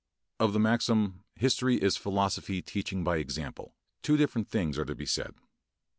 Of the maxim, "history is philosophy teaching by example," two different things are to be said.